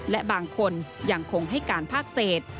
และบางคนยังคงให้การภาคเศษ